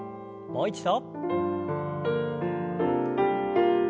もう一度。